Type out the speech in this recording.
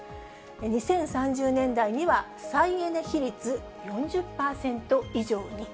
２０３０年代には再エネ比率４０％以上に。